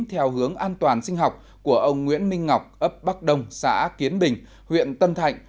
theo hướng an toàn sinh học của ông nguyễn minh ngọc ấp bắc đông xã kiến bình huyện tân thạnh